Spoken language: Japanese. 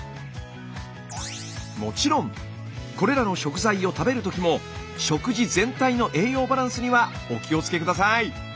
もちろんこれらの食材を食べる時も食事全体の栄養バランスにはお気をつけ下さい。